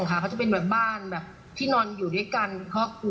เขาจะเป็นแบบบ้านที่นอนอยู่ด้วยกันเพราะกลัว